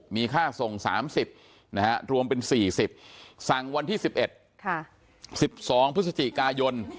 มีค่าส่ง๓๐รวมเป็น๔๐สั่งวันที่๑๑๑๒พฤศจิกายน